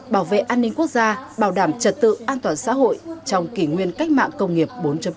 bảo vệ an ninh quốc gia bảo đảm trật tự an toàn xã hội trong kỷ nguyên cách mạng công nghiệp bốn